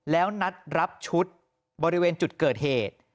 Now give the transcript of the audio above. แล้วนัดรับชุดบริเวณจุดเกิดเหตุ